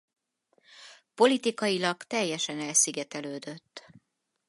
Politikailag teljesen elszigetelődött.